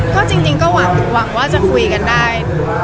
ก็จริงก็หวังว่าจะคุยกันได้